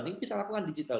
ini kita lakukan digital